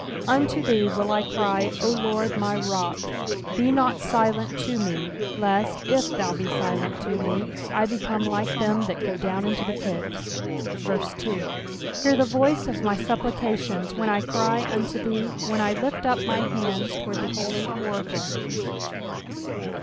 UNTO thee will I cry, O Lord my rock ; be not silent to me, lest, i/thou be silent to me, I become like them that go down into the pit. 2 Hear the voice of my supplications, when I cry unto thee, when I lift up my hands toward thy holy oracle.